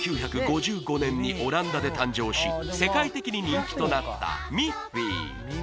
１９５５年にオランダで誕生し世界的に人気となったミッフィー